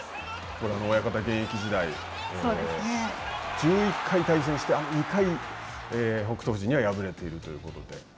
親方、現役時代１１回対戦して２回、北勝富士には敗れているということで。